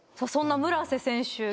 そんな村瀬選手